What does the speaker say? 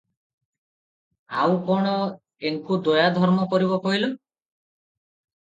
ଆଉ କଣ ଏଙ୍କୁ ଦୟାଧର୍ମ କରିବ କହିଲ?